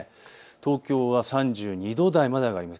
東京は３２度台まで上がります。